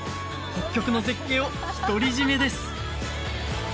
北極の絶景を独り占めです